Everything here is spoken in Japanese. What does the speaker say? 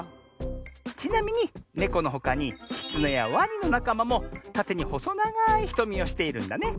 ちなみにネコのほかにキツネやワニのなかまもたてにほそながいひとみをしているんだね。